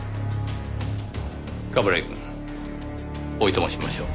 冠城くんおいとましましょう。